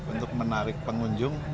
untuk menarik pengunjung